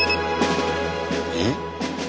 えっ？